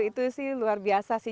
itu sih luar biasa sih